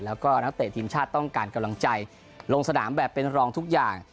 แล้วก็นักเตะทีมชาติต้องการกำลังใจลงสนามแบบเป็นรองทุกอย่าง